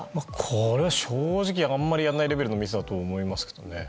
これは正直あまりやらないレベルのミスだと思いますけどね。